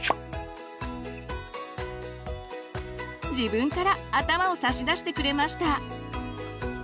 自分から頭を差し出してくれました。